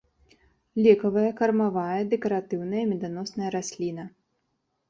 Лекавая, кармавая, дэкаратыўная, меданосная расліна.